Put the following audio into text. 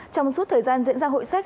trong suốt thời gian diễn ra hội sách